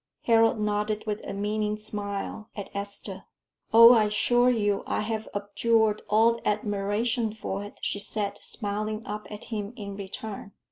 Harold nodded with a meaning smile at Esther. "Oh, I assure you I have abjured all admiration for it," she said, smiling up at him in return.